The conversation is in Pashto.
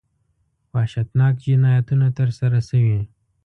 وحشتناک جنایتونه ترسره شوي.